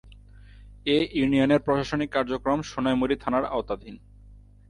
এ ইউনিয়নের প্রশাসনিক কার্যক্রম সোনাইমুড়ি থানার আওতাধীন।